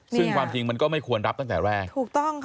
ซึ่งความจริงมันก็ไม่ควรรับตั้งแต่แรก